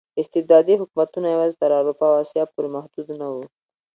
استبدادي حکومتونه یوازې تر اروپا او اسیا پورې محدود نه وو.